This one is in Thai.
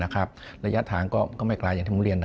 ระยะทางก็ไม่ไกลอย่างที่ผมเรียน